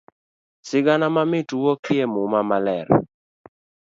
Sigana mamit wuokie muma maler.